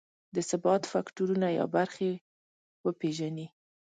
د ثبات فکټورونه یا برخې وپېژني.